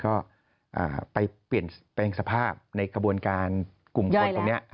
ก็ไปเปลี่ยนแปลงสภาพในกระบวนการกลุ่มคนตรงนี้